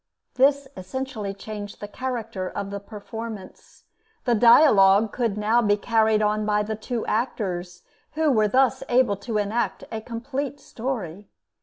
This essentially changed the character of the performance. The dialogue could now be carried on by the two actors, who were thus able to enact a complete story.